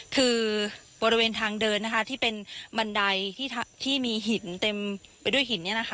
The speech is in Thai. คือบริเวณทางเดินที่เป็นบันไดที่มีหินเต็มไปด้วยหิน